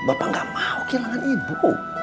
bapak gak mau kehilangan ibu